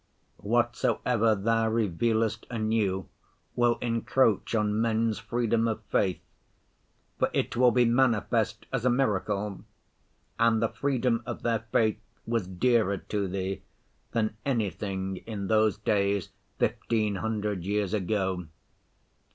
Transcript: Whatsoever Thou revealest anew will encroach on men's freedom of faith; for it will be manifest as a miracle, and the freedom of their faith was dearer to Thee than anything in those days fifteen hundred years ago.